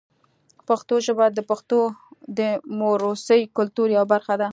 پښتو ژبه د پښتنو د موروثي کلتور یوه برخه ده.